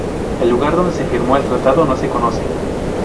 El lugar donde se firmó el tratado no se conoce.